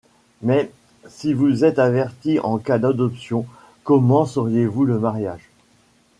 Mais si vous êtes avertis en cas d’adoption, comment sauriez-vous le mariage?